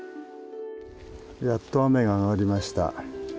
やっと雨が上がりました。